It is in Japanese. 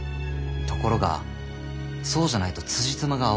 ところがそうじゃないとつじつまが合わないんですよ。